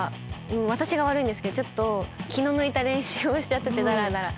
私が悪いんですけどちょっと気の抜いた練習をしちゃっててだらだら。